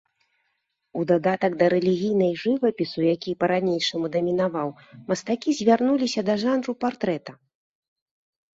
У дадатак да рэлігійнай жывапісу, які па-ранейшаму дамінаваў, мастакі звярнуліся да жанру партрэта.